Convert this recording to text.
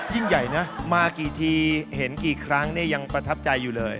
ยิ่งใหญ่นะมากี่ทีเห็นกี่ครั้งเนี่ยยังประทับใจอยู่เลย